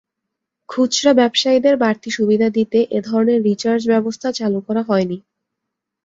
খুচরা ব্যবসায়ীদের বাড়তি সুবিধা দিতে এ ধরনের রিচার্জ ব্যবস্থা চালু করা হয়নি।